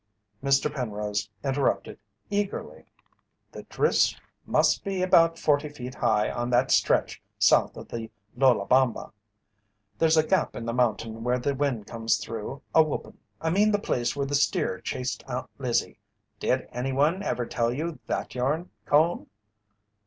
Mr. Penrose interrupted eagerly: "The drifts must be about forty feet high on that stretch south of The Lolabama. There's a gap in the mountain where the wind comes through a whoopin'. I mean the place where the steer chased Aunt Lizzie did any one ever tell you that yarn, Cone?"